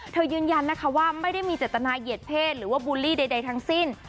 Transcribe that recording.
ยืนยันนะคะว่าไม่ได้มีเจตนาเหยียดเพศหรือว่าบูลลี่ใดทั้งสิ้น